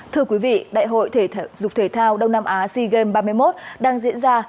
thưa quý vị đại hội thể dục thể thao đông nam á sea games ba mươi một đang diễn ra